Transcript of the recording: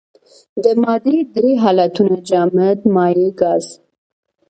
د مادې درې حالتونه جامد مايع ګاز.